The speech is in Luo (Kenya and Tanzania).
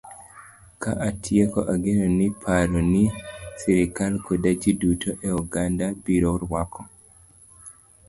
Ka atieko, ageno ni paro ni sirkal koda ji duto e oganda biro rwako.